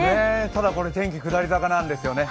ただ、この天気下り坂なんですよね。